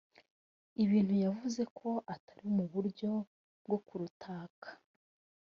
ibintu yavuze ko atari mu buryo bwo kurutaka